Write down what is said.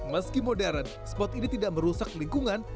meski modern spot ini tidak merusak lingkungan